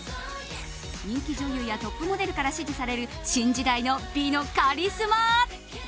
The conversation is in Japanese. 人気女優やトップモデルから支持される新時代の美のカリスマ。